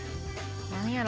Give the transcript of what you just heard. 何やろ？